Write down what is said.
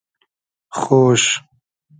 خۉش